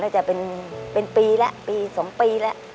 ก็จะเป็นปีแล้วปี๒ปีแล้ว